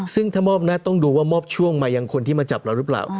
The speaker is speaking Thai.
ซึ่งถ้ามอบหน้าต้องดูว่ามอบช่วงมายังคนที่มาจับเราหรือเปล่า